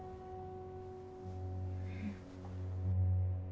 うん。